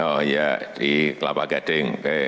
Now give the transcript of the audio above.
oh iya di kelapa gading